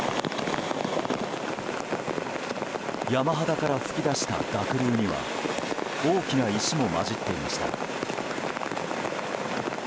山肌から噴き出した濁流には大きな石も交じっていました。